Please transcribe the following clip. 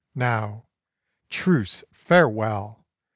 Now, truce, farewell!